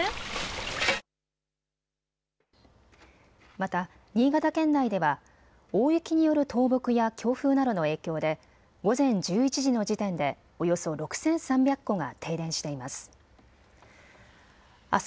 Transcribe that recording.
また新潟県内では大雪による倒木や強風などの影響で午前１１時の時点でおよそ６３００戸が停電しています。